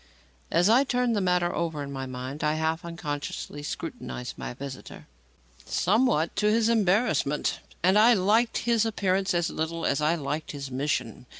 As I turned the matter over in my mind, I half unconsciously scrutinized my visitor somewhat to his embarrassment and I liked his appearance as little as I liked his mission.